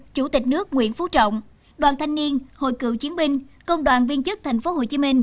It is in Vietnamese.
chủ tịch nước nguyễn phú trọng đoàn thanh niên hội cựu chiến binh công đoàn viên chức tp hcm